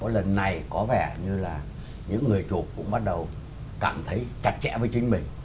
lần này có vẻ như là những người chụp cũng bắt đầu cảm thấy chặt chẽ với chính mình